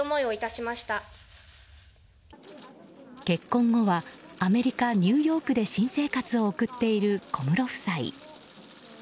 結婚後はアメリカ・ニューヨークで新生活を送っている小室夫妻。